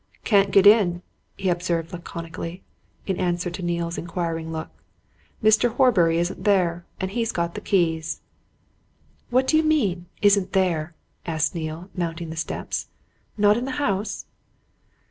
"Can't get in," he observed laconically, in answer to Neale's inquiring look. "Mr. Horbury isn't there, and he's got the keys." "What do you mean isn't there!" asked Neale, mounting the steps. "Not in the house?"